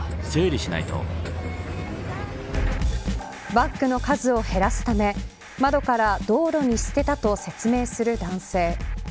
バッグの数を減らすため窓から道路に捨てたと説明する男性。